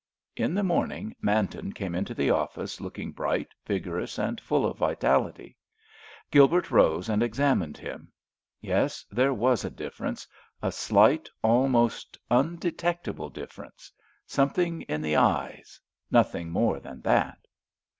... In the morning Manton came into the office looking bright, vigorous and full of vitality. Gilbert rose and examined him. Yes, there was a difference, a slight, almost undetectable difference. Something in the eyes—nothing more than that.